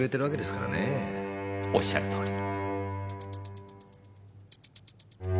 おっしゃるとおり。